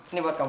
ini buat kamu